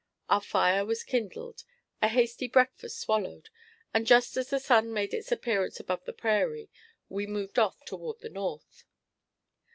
Our fire was kindled, a hasty breakfast swallowed, and just as the sun made its appearance above the prairie, we moved off toward the north.